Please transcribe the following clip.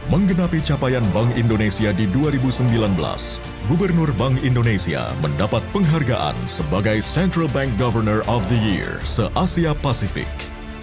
menggenapi capaian bank indonesia di dua ribu sembilan belas gubernur bank indonesia mendapat penghargaan sebagai central bank governor of the year se asia pasifik